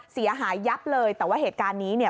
เสียหายยับเลยแต่ว่าเหตุการณ์นี้เนี่ย